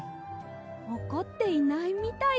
おこっていないみたいですね。